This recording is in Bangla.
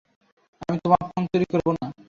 আমি তোমার ফোন চুরি করব না।